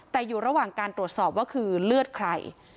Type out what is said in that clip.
แต่อยู่ระหว่างการตรวจสอบว่าคือเลือดใคร